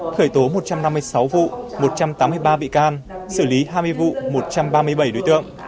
khởi tố một trăm năm mươi sáu vụ một trăm tám mươi ba bị can xử lý hai mươi vụ một trăm ba mươi bảy đối tượng